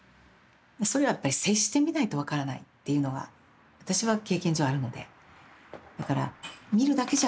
それはやっぱり接してみないと分からないっていうのは私は経験上あるのでだから見るだけじゃ分からない。